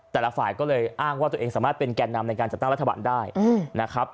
แต่ละฝ่ายก็เลยอ้างว่าตัวเองสามารถเป็นแก่นำในการจัดตั้งรัฐบาลได้นะครับ